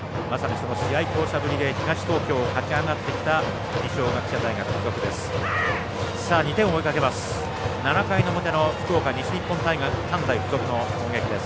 試合巧者ぶりで東東京を勝ち上がってきた二松学舎大学付属です。